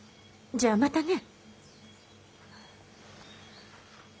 じゃあまたね。